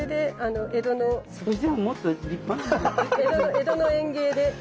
江戸の園芸で。